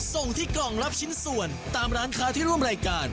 ส่งที่กล่องรับชิ้นส่วนตามร้านค้าที่ร่วมรายการ